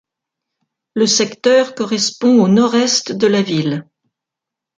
Le secteur correspond au nord-est de la ville.